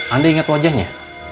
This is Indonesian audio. anda ingat wajahnya